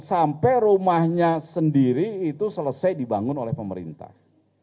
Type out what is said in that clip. sampai rumahnya sendiri itu selesai dibangun oleh pemerintah